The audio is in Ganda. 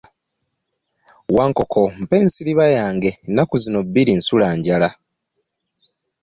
Wankoko mpa ensiriba yange ennaku zino bbiri nsula njala.